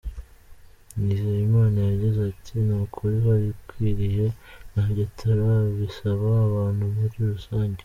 Nizeyimana yagzie ati “Ni ukuri birakwiriye, nabyo turabisaba abantu muri rusange.